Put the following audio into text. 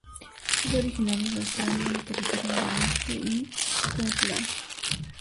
Es originaria de Australia en los Territorio del Norte y Queensland.